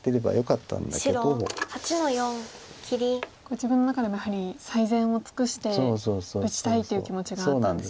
自分の中でもやはり最善を尽くして打ちたいっていう気持ちがあったんですよね。